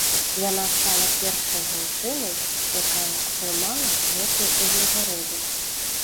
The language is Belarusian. Яна стала першай жанчынай, якая атрымала гэтую ўзнагароду.